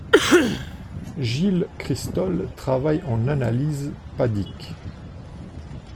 Gilles Christol travaille en analyse p-adique.